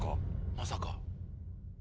まさか。